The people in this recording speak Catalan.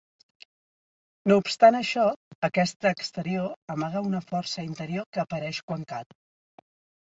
No obstant això, aquesta exterior amaga una força interior que apareix quan cal.